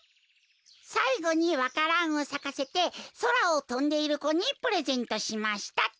「さいごにわからんをさかせてそらをとんでいる子にプレゼントしました」っと。